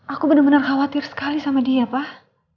aku benar benar khawatir sekali sama dia pak